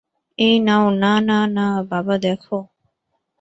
এই নাও না না না - বাবা দেখো।